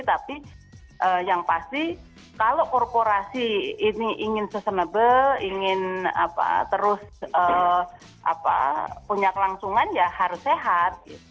tapi yang pasti kalau korporasi ini ingin sustainable ingin terus punya kelangsungan ya harus sehat